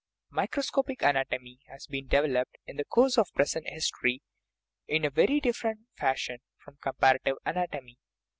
Microscopic anatomy has been developed, in the course of the present century, in a very different fash ion from comparative anatomy.